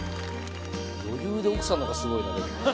余裕で奥さんの方がすごいんだけど。